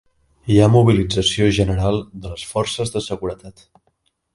Hi ha mobilització general de les forces de seguretat.